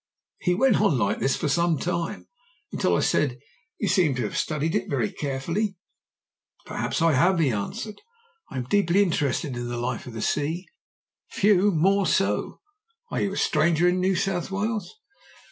"He went on like this for some time, until I said: 'You seem to have studied it very carefully.' "'Perhaps I have,' he answered. 'I am deeply interested in the life of the sea few more so. Are you a stranger in New South Wales?'